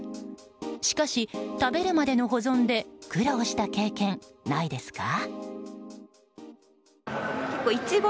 しかし、食べるまでの保存で苦労した経験ないですか？